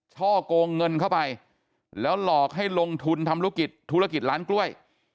ช่อกงเงินเข้าไปแล้วหลอกให้ลงทุนทำธุรกิจธุรกิจร้านกล้วย